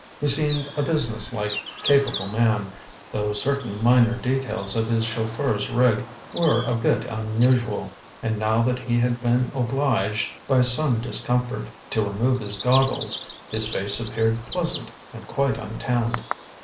He seemed a businesslike, capable man, though certain minor details of his chauffeur's rig were a bit unusual, and now that he had been obliged, by some discomfort, to remove his goggles, his face appeared pleasant and quite untanned.